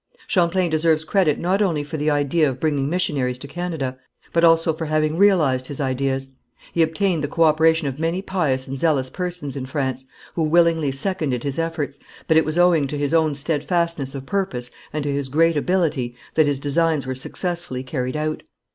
Champlain deserves credit, not only for the idea of bringing missionaries to Canada, but also for having realized his ideas. He obtained the coöperation of many pious and zealous persons in France, who willingly seconded his efforts, but it was owing to his own steadfastness of purpose and to his great ability that his designs were successfully carried out.